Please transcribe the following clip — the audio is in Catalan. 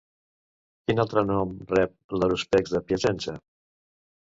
Quin altre nom rep l'Harúspex de Piacenza?